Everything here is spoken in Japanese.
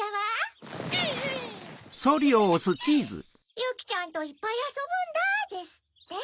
「ゆきちゃんといっぱいあそぶんだ」ですって。